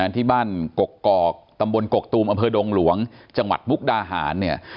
ที่บ้านกกอกตำบลกกตูมอำเภอดงหลวงจังหวัดมุกดาหารเนี่ย